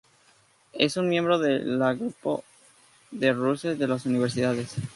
Es un miembro de la Grupo de Russell de las Universidades.